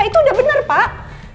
itu udah benar pak